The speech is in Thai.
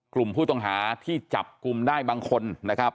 กลุ่มผู้ต้องหาที่จับกลุ่มได้บางคนนะครับ